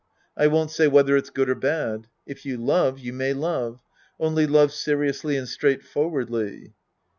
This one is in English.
I won't say whether it's good or bad. If you love, you may love. Only love seriously and straight forwardly.